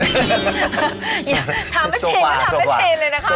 ทำให้จริงทำให้จริงเลยนะครับ